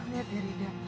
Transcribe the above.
lihat ya rida